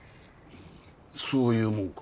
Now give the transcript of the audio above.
そういうもんか？